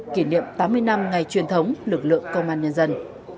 kỷ niệm tám mươi năm ngày truyền thống lực lượng công an nhân dân